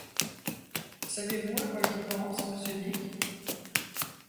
Savez-vous à quoi je pense, monsieur Dick?